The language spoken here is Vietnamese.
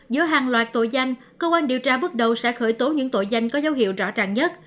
giữa hàng loạt tội danh cơ quan điều tra bước đầu sẽ khởi tố những tội danh có dấu hiệu rõ ràng nhất